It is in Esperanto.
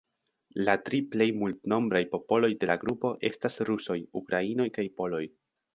La tri plej multnombraj popoloj de la grupo estas rusoj, ukrainoj kaj poloj.